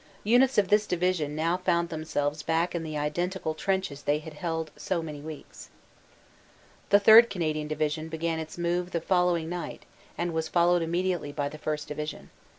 Units of this division now found themselves back in the identical trenches they had held so many weeks. The 3rd. Canadian Division began its move the following night and was followed immediately by the 1st. Division.